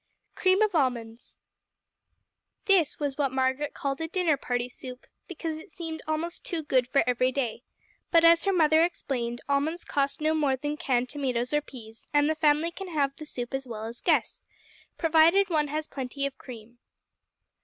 Cream of Almonds This was what Margaret called a Dinner party Soup, because it seemed almost too good for every day, but, as her mother explained, almonds cost no more than canned tomatoes or peas, and the family can have the soup as well as guests, provided one has plenty of cream.